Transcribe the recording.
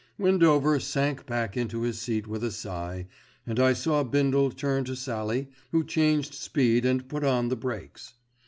Windover sank back into his seat with a sigh, and I saw Bindle turn to Sallie, who changed speed and put on the brakes.